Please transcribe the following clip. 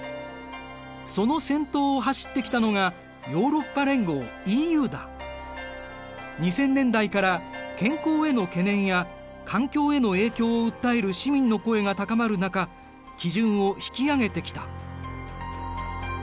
その先頭を走ってきたのが２０００年代から健康への懸念や環境への影響を訴える市民の声が高まる中基準を引き上げてきた。